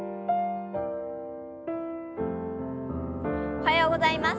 おはようございます。